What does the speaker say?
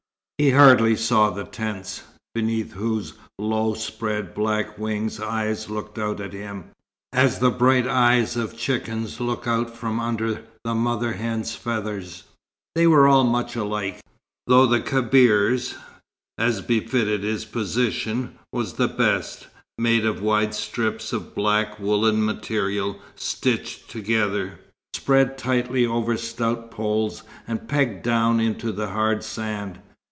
He hardly saw the tents, beneath whose low spread black wings eyes looked out at him, as the bright eyes of chickens look out from under the mother hen's feathers. They were all much alike, though the Kebir's, as befitted his position, was the best, made of wide strips of black woollen material stitched together, spread tightly over stout poles, and pegged down into the hard sand.